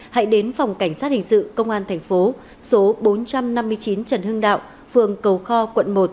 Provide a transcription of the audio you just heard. hãy đến phòng cảnh sát hình sự công an thành phố số bốn trăm năm mươi chín trần hưng đạo phường cầu kho quận một